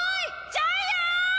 ジャイアーン！